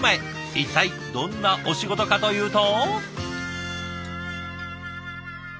一体どんなお仕事かというと。